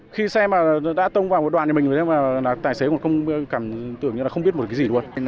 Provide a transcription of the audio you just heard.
khi xe mà đã tông vào một đoàn thì mình thấy là tài xế cũng cảm tưởng như là không biết một cái gì luôn